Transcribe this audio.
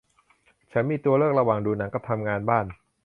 ฉันมีตัวเลือกระหว่างดูหนังกับทำงานบ้าน